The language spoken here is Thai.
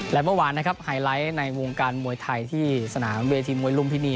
และเมื่อวานนะครับไฮไลท์ในวงการมวยไทยที่สนามเวทีมวยลุมพินี